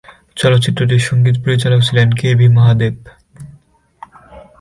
চলচ্চিত্রটির সঙ্গীত পরিচালক ছিলেন কে ভি মহাদেব।